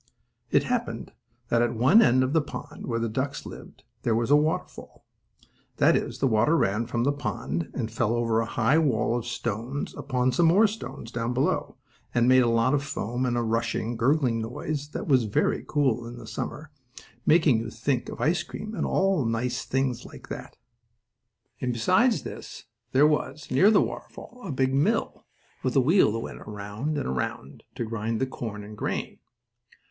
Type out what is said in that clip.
It happened that at one end of the pond where the ducks lived there was a waterfall. That is, the water ran from the pond, and fell over a high wall of stones upon some more stones down below, and made a lot of foam and a rushing, gurgling noise that was very cool in summer, making you think of ice cream and all nice things like that. And besides this there was, near the waterfall, a big mill, with a wheel that went around and around, to grind the corn and grain.